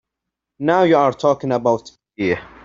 Now you are talking about beer!